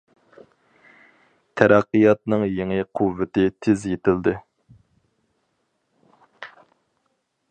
— تەرەققىياتنىڭ يېڭى قۇۋۋىتى تېز يېتىلدى.